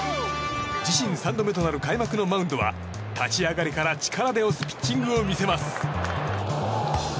自身３度目となる開幕のマウンドは立ち上がりから力で押すピッチングを見せます。